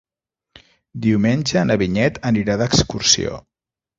Diumenge na Vinyet anirà d'excursió.